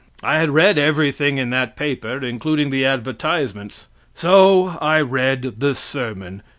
I had read everything in that paper, including the advertisements; so I read the sermon.